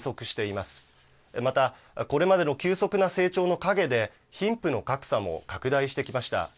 またこれまでの急速な成長の陰で貧富の格差も拡大してきました。